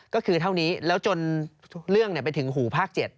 ก็คือเท่านี้แล้วจนเรื่องไปถึงหูภาค๗